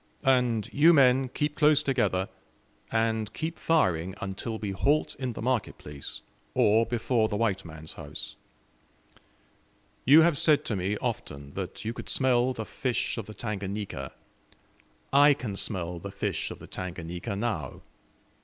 And you men keep close together, and keep firing until we halt in the market place, or before the white man's house. You have said to me often that you could smell the fish of the Tanganika I can smell the fish of the Tanganika now.